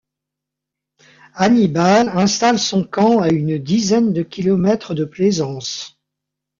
Hannibal installe son camp à une dizaine de kilomètres de Plaisance.